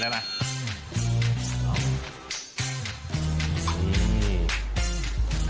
นี่นะ